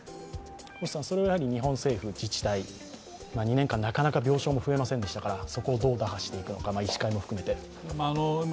日本政府、自治体、２年間なかなか病床も増えませんでしたからそこをどう打破していくのか、医師会も含めて。